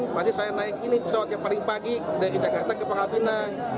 nah tiap hari senin pasti saya naik ini pesawat yang paling pagi dari jakarta ke pangal pinang